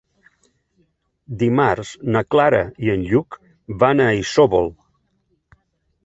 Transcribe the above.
Dimarts na Clara i en Lluc van a Isòvol.